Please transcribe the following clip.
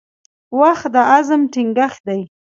• وخت د عزم ټینګښت دی.